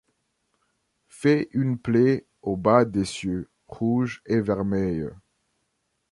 Fait une plaie au bas des cieux, rouge et vermeille ;